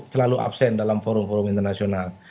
selalu absen dalam forum forum internasional